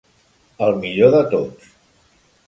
El millor de tots.